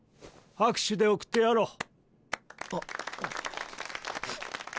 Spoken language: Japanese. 拍手で送ってやろう。